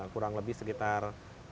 kurang lebih sekitar